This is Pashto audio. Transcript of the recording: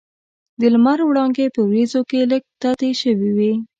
د لمر وړانګې په وریځو کې لږ تتې شوې وې.